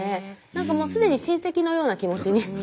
なんかもうすでに親戚のような気持ちに。